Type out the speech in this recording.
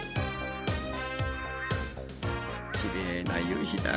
きれいな夕日だ。